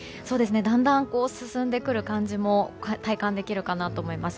だんだん進んでくる感じも体感できるかなと思います。